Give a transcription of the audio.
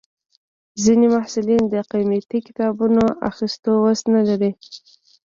ځینې محصلین د قیمتي کتابونو اخیستو وس نه لري.